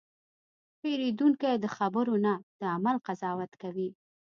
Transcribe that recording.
پیرودونکی د خبرو نه، د عمل قضاوت کوي.